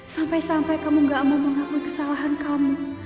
sampai sampai kamu gak mau mengakui kesalahan kamu